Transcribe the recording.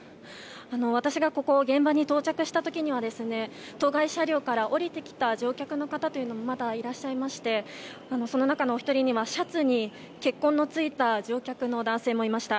私が現場に到着した時には当該車両から降りてきた乗客の方というのもまだいらっしゃいましてその中のお一人にはシャツに血痕のついた乗客の男性もいました。